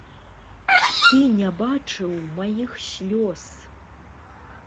Ты не бачыў маіх слёз!